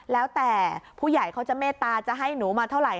แล้วแต่ผู้ใหญ่เขาจะเมตตาจะให้หนูมาเท่าไห